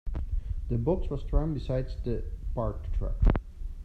The box was thrown beside the parked truck.